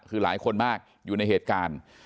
คือหลายคนมากอยู่ในเหตุการณ์